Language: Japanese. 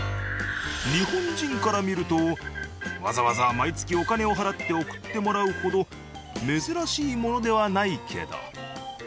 日本人から見るとわざわざ毎月お金を払って送ってもらうほど珍しいものではないけど。